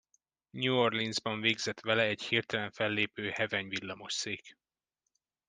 New-Orleansban végzett vele egy hirtelen fellépő heveny villamosszék.